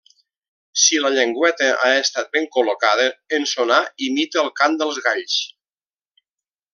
Si la llengüeta ha estat ben col·locada, en sonar, imita el cant dels galls.